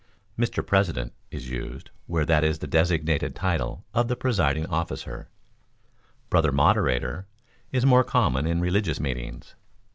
["Mr. President" is used where that is the designated title of the presiding officer; "Brother Moderator" is more common in religious meetings.